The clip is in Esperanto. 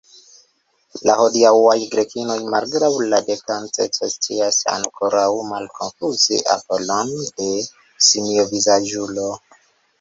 La hodiaŭaj Grekinoj, malgraŭ la dekadenco, scias ankoraŭ malkonfuzi Apollon'on de simiovizaĝulo.